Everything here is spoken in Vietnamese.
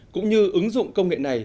cũng như ứng dụng công nghệ này